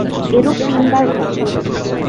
এরূপ তিনবার ঘটে।